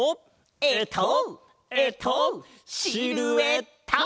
えっとえっとシルエット！